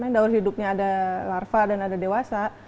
kalau dia daur hidupnya ada larva dan ada dewasa